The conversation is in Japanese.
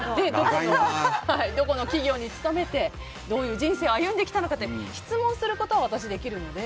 どこの企業に勤めてどういう人生を歩んできたのかって質問することは私できるので。